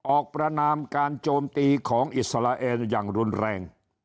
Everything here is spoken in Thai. ประนามการโจมตีของอิสราเอลอย่างรุนแรง